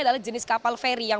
adalah jenis kapal ferry